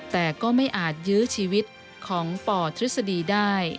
แต่ก็ไม่อาจยื้อชีวิตของปทฤษฎีได้